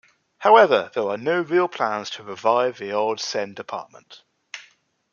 However, there are no real plans to revive the old Seine department.